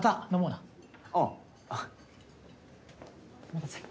お待たせ。